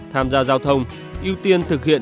tham gia giao thông ưu tiên thực hiện